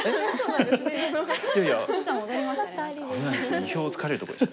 意表をつかれるとこでした。